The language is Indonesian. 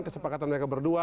kesepakatan mereka berdua